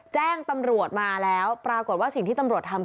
แจ้งตำรวจมาแล้วปรากฏว่าสิ่งที่ตำรวจทำ